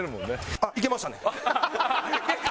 あっいけましたね。